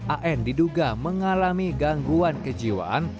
an diduga mengalami gangguan kejiwaan